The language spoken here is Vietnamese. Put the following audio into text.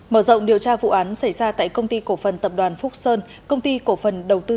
mở rộng điều tra vụ án xảy ra tại công ty cổ phần tập đoàn phúc sơn công ty cổ phần đầu tư